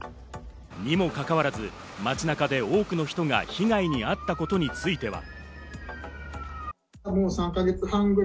にもかかわらず、街中で多くの人が被害に遭ったことについては。